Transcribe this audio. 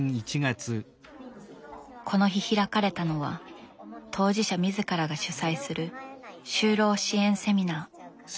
この日開かれたのは当事者自らが主催する就労支援セミナー。